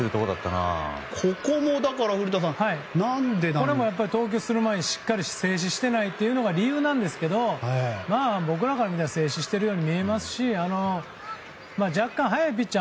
これも投球する前にしっかり静止してないというのが理由なんですけど僕なんかが見たら静止しているように見えますし若干早いピッチャー